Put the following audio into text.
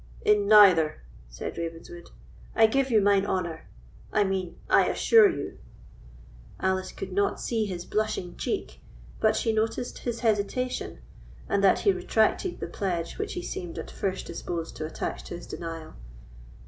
"In neither," said Ravenswood, "I give you mine honour—I mean, I assure you." Alice could not see his blushing cheek, but she noticed his hesitation, and that he retracted the pledge which he seemed at first disposed to attach to his denial.